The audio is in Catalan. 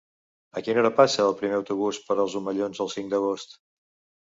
A quina hora passa el primer autobús per els Omellons el cinc d'agost?